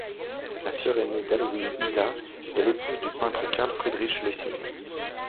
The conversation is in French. La sœur aînée d'Alwine, Ida, est l'épouse du peintre Carl Friedrich Lessing.